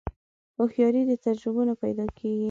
هوښیاري د تجربو نه پیدا کېږي.